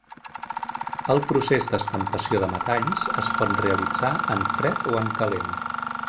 El procés d'estampació de metalls es pot realitzar en fred o en calent.